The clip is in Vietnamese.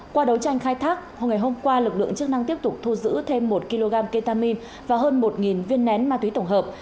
qua đấu tranh khai thác hôm ngày hôm qua lực lượng chức năng tiếp tục thu giữ thêm một kg ketamine và hơn một viên nén ma túy tổng hợp